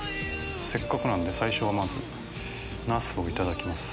せっかくなんで最初はナスをいただきます。